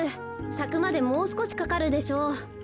さくまでもうすこしかかるでしょう。